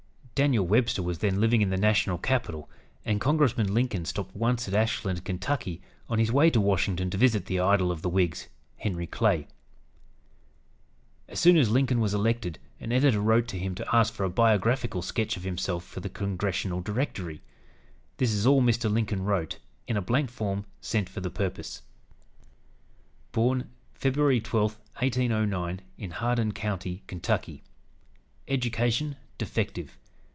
Daniel Webster was then living in the national capital, and Congressman Lincoln stopped once at Ashland, Ky., on his way to Washington to visit the idol of the Whigs, Henry Clay. As soon as Lincoln was elected, an editor wrote to ask him for a biographical sketch of himself for the "Congressional Directory." This is all Mr. Lincoln wrote in a blank form sent for the purpose: "Born February 12, 1809, in Hardin County, Kentucky. "Education defective.